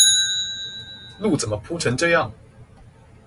這路怎麼鋪成這樣！